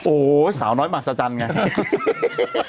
โอ๋สาวน้อยสมัจสจรรย์ไง